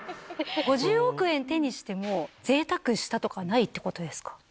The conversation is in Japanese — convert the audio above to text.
５０億円手にしても、ぜいたくしたとかないっていうことですか？